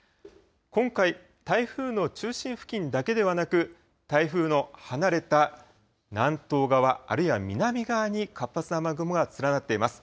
今回、台風の中心付近だけではなく、台風の離れた南東側、あるいは南側に活発な雨雲が連なっています。